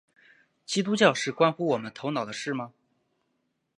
基督教是关乎我们头脑的事吗？